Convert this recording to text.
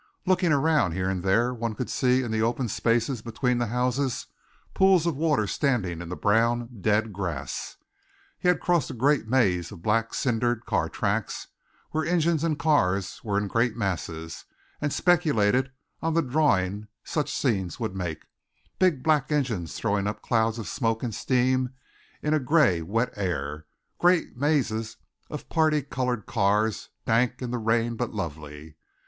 Looking around here and there one could see in the open spaces between the houses pools of water standing in the brown, dead grass. He had crossed a great maze of black cindered car tracks, where engines and cars were in great masses, and speculated on the drawings such scenes would make big black engines throwing up clouds of smoke and steam in a grey, wet air; great mazes of parti colored cars dank in the rain but lovely.